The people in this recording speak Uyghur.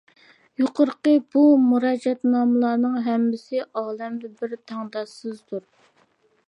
يۇقىرىقى بۇ مۇراجىئەتنامىلەرنىڭ ھەممىسى ئالەمدە بىر، تەڭداشسىزدۇر.